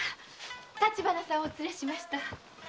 立花さんをお連れしました。